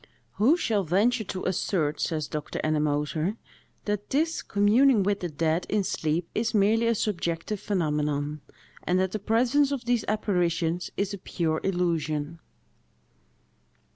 "Who shall venture to assert," says Dr. Ennemoser, "that this communing with the dead in sleep is merely a subjective phenomenon, and that the presence of these apparitions is a pure illusion?"